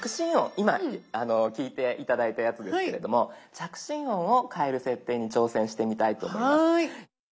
今聞いて頂いたやつですけれども着信音を変える設定に挑戦してみたいと思います。